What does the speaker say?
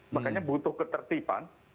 makanya butuh ketertiban